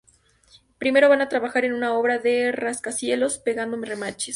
Primero van a trabajar en una obra de un rascacielos, pegando remaches.